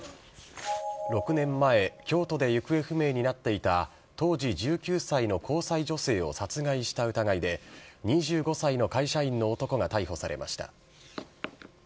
６年前、京都で行方不明になっていた、当時１９歳の交際女性を殺害した疑いで、２５歳の会社員の男が逮捕されました。